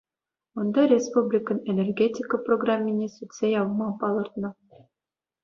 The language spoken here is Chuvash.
Унта республикӑн энергетика программине сӳтсе явма палӑртнӑ.